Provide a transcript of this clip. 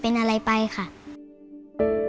พี่น้องของหนูก็ช่วยย่าทำงานค่ะ